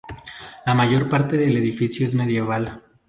La mayor parte del edificio es medieval.